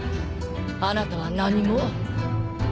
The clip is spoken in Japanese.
あなたは何も。